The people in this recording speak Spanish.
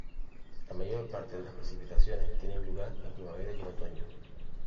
La mayor parte de las precipitaciones tienen lugar en primavera y en otoño.